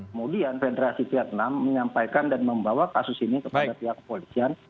kemudian federasi vietnam menyampaikan dan membawa kasus ini kepada pihak kepolisian